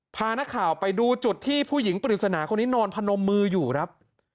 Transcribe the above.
พานักข่าวไปดูจุดที่ผู้หญิงปริศนาคนนี้นอนพนมมืออยู่ครับ